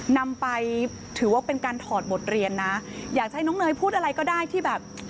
นำไปถือว่าเป็นการถอดบทเรียนนะอยากจะให้น้องเนยพูดอะไรก็ได้ที่แบบ